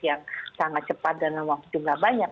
yang sangat cepat dan waktunya banyak